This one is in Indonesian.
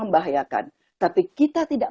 membahayakan tapi kita tidak